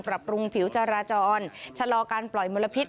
ปรับปรุงผิวจราจรชะลอการปล่อยมลพิษ